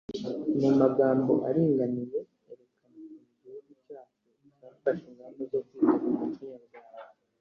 mu magambo aringaniye erekana ukuntu igihugu cyacu cyafashe ingamba zo kwita ku muco nyarwanda.